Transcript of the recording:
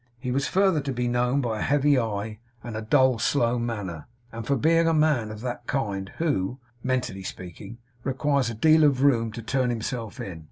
He was further to be known by a heavy eye and a dull slow manner; and for being a man of that kind who mentally speaking requires a deal of room to turn himself in.